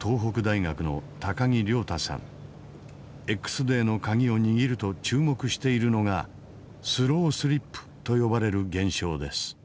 Ｘデーの鍵を握ると注目しているのがスロースリップと呼ばれる現象です。